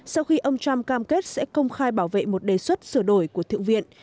sau khi ông trump cam kết sẽ công khai bảo vệ một đề xuất sửa đổi của thượng viện